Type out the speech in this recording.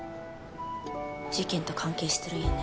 事件と関係しとるんやね？